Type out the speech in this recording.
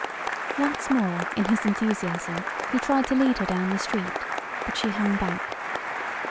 Once more, in his enthusiasm, he tried to lead her down the street. But she hung back.